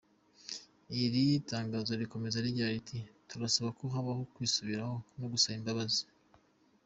Iri tangazo rikomeza rigira riti“Turasaba ko habaho kwisubiraho no gusaba imbabazi.